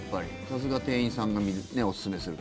さすが店員さんがおすすめする。